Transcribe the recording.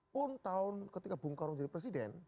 pun tahun ketika bung karno jadi presiden